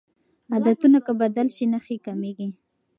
عادتونه که بدل شي نښې کمېږي.